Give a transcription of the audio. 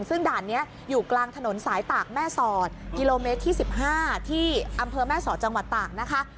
ซึ่งด่านนี้อยู่กลางถนนสายตากแม่สอดกิโลเมตรที่๑๕ที่อำเภอแม่สอดจังหวัดตากนะคะ